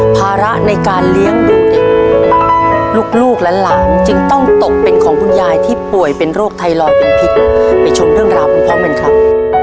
ภาระในการเลี้ยงดูเด็กลูกและหลานจึงต้องตกเป็นของคุณยายที่ป่วยเป็นโรคไทรอยดเป็นพิษไปชมเรื่องราวพร้อมกันครับ